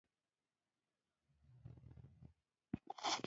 دونه وهلی وو.